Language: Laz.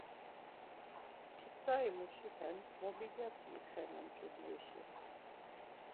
Pitsarimuşiten mobilyati ixenen ç̌ubrişi.